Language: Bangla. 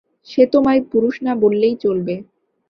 সে তোমায় পুরুষ না বললেই চলবে।